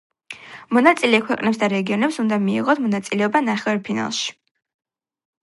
მონაწილე ქვეყნები და რეგიონები უნდა მიიღო მონაწილეობა ნახევარფინალში.